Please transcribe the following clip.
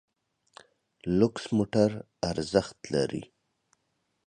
لوکس موټر ارزښت لري.